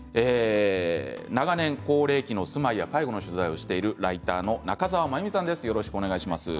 長年、高齢期の住まいや介護の取材をしているライターの中澤まゆみさんです。